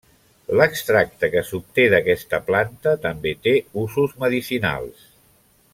L'extracte que s'obté d'aquesta planta també té usos medicinals.